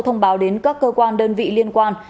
thông báo đến các cơ quan đơn vị liên quan